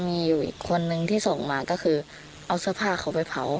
มีอยู่อีกคนนึงที่ส่งมาก็คือเอาเสื้อผ้าเขาไปเผา